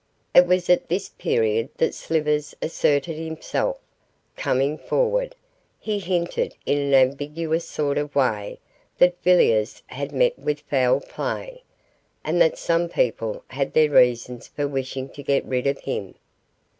It was at this period that Slivers asserted himself coming forward, he hinted in an ambiguous sort of way that Villiers had met with foul play, and that some people had their reasons for wishing to get rid of him.